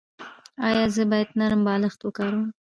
ایا زه باید نرم بالښت وکاروم؟